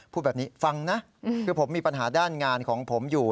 พูดแบบนี้ฟังนะคือผมมีปัญหาด้านงานของผมอยู่